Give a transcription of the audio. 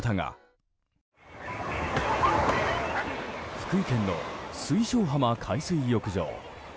福井県の水晶浜海水浴場。